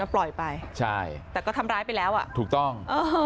ปล่อยไปใช่แต่ก็ทำร้ายไปแล้วอ่ะถูกต้อง